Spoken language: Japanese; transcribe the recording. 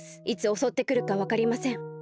いつおそってくるかわかりません。